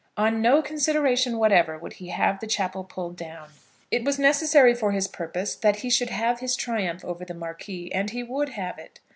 On no consideration whatever would he have the chapel pulled down. It was necessary for his purpose that he should have his triumph over the Marquis, and he would have it.